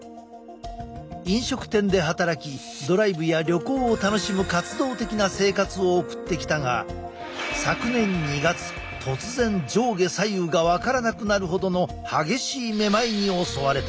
飲食店で働きドライブや旅行を楽しむ活動的な生活を送ってきたが昨年２月突然上下左右が分からなくなるほどの激しいめまいに襲われた。